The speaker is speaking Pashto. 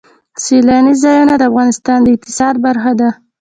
سیلانی ځایونه د افغانستان د اقتصاد برخه ده.